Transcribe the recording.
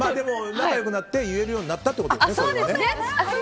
仲良くなって言えるようになったってことですね。